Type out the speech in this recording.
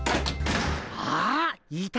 あっいた！